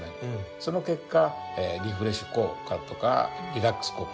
その結果リフレッシュ効果とかリラックス効果。